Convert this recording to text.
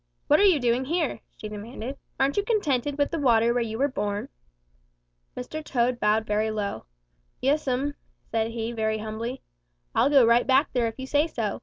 'What are you doing here?' she demanded. 'Aren't you contented with the water where you were born?' "Mr. Toad bowed very low. 'Yes'm,' said he very humbly. 'I'll go right back there if you say so.